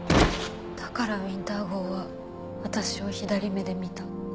だからウィンター号は私を左目で見た。